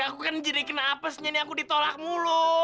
aku kan jadi kena apesnya nih aku ditolak mulu